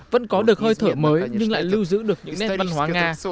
vẫn có được hơi thở mới nhưng lại lưu giữ được những nét văn hóa nga